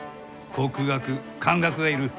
国学漢学がいる。